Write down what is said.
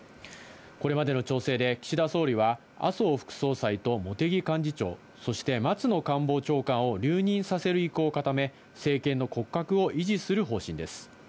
これまでの調整で岸田総理は、麻生副総裁と茂木幹事長、そして松野官房長官を留任させる意向を固め、政権の骨格を維持する方針です。